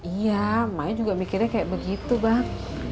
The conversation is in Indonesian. iya maya juga mikirnya kayak begitu bang